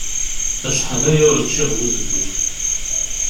Acḥal aya ur ččiɣ buzelluf.